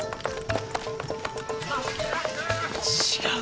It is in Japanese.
違う。